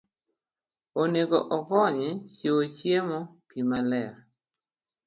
onego okony e chiwo chiemo, pi maler,